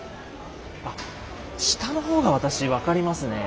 あっ下の方が私分かりますね。